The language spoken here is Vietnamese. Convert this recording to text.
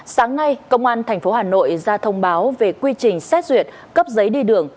sáng nay công an tp hà nội ra thông báo về quy trình xét duyệt cấp giấy đi đường